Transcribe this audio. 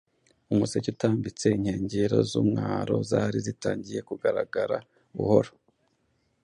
Umuseke utambitse inkengero z’umwaro zari zitangiye kugaragara buhoro